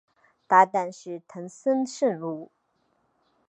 搭挡是藤森慎吾。